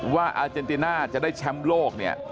ว่าอาเจนติน่าจะได้แชมป์โลกเนี่ย